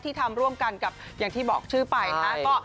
ทำร่วมกันกับอย่างที่บอกชื่อไปนะคะ